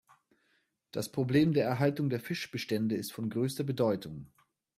Das Problem der Erhaltung der Fischbestände ist von größter Bedeutung.